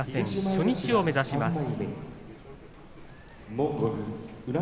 初日を目指します。